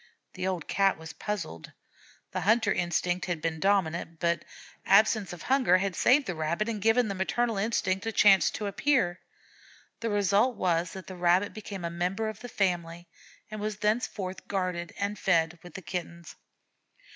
The old Cat was puzzled. The hunter instinct had been dominant, but absence of hunger had saved the Rabbit and given the maternal instinct a chance to appear. The result was that the Rabbit became a member of the family, and was thenceforth guarded and fed with the Kittens.